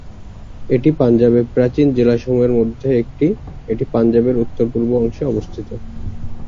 এটি পাঞ্জাবের প্রাচীন জেলাসমূহের মধ্যে একটি, এটি পাঞ্জাবের উত্তর-পূর্ব অংশে অবস্থিত।